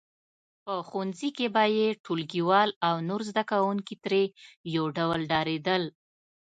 په ښوونځي کې به یې ټولګیوال او نور زده کوونکي ترې یو ډول ډارېدل